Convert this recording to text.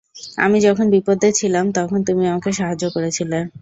আমি যখন বিপদে ছিলাম, তখন তুমি আমাকে সাহায্য করেছিলে।